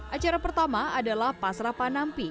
acara pertama adalah pasra panampi